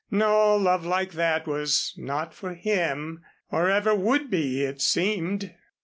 No, love like that was not for him or ever would be, it seemed.